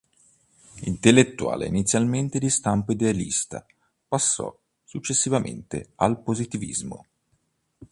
Intellettuale inizialmente di stampo idealista, passò successivamente al positivismo.